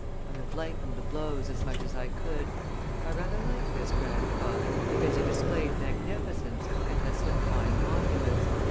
I have lightened the blows as much as I could. I rather like this grandfather, because he displayed magnificence, and has left some fine monuments.